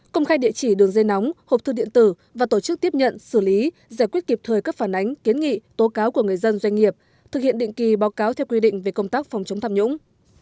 công khai địa chỉ đường dây nóng hộp thư điện tử và tổ chức tiếp nhận xử lý giải quyết kịp thời các phản ánh kiến nghị tố cáo của người dân doanh nghiệp thực hiện định kỳ báo cáo theo quy định về công tác phòng chống tham nhũng